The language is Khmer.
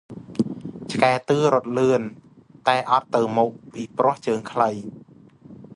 ឆ្កែតឿរត់លឿន តែអត់ទៅមុខ ពិព្រោះជើងខ្លី!